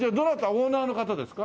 オーナーの方ですか？